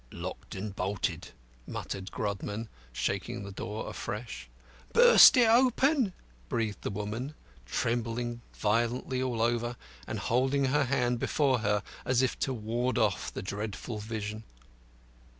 "Locked and bolted," muttered Grodman, shaking the door afresh. "Burst it open," breathed the woman, trembling violently all over, and holding her hands before her as if to ward off the dreadful vision.